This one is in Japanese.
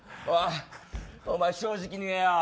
お前、正直に言えよ。